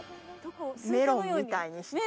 メロンみたいにして。